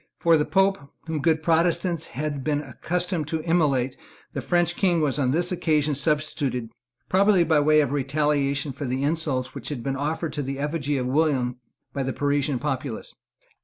For the Pope, whom good Protestants had been accustomed to immolate, the French King was on this occasion substituted, probably by way of retaliation for the insults which had been offered to the effigy of William by the Parisian populace.